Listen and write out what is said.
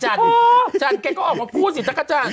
จันจันแกก็ออกมาพูดสิอย่าว